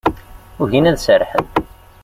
Ugin ad serrḥen.